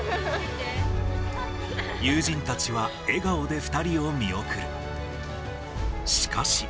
友人たちは笑顔で２人を見送る。